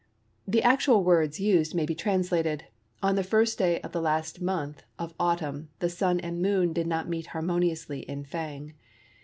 The actual words used may be translated:—"On the first day of the last month of Autumn the Sun and Moon did not meet harmoniously in Fang."